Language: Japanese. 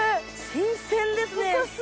新鮮ですね！